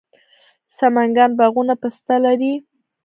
د سمنګان باغونه پسته لري.